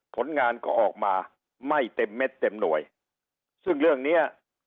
ผลงานก็ออกมาไม่เต็มเม็ดเต็มหน่วยซึ่งเรื่องเนี้ย